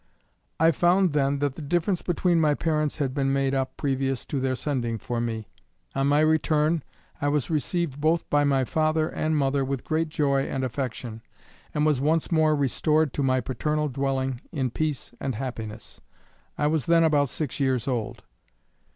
I found then that the difference between my parents had been made up previous to their sending for me. On my return, I was received both by my father and mother with great joy and affection, and was once more restored to my paternal dwelling in peace and happiness. I was then about six years old.